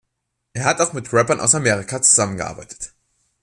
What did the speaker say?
Er hat auch mit Rappern aus Amerika zusammengearbeitet.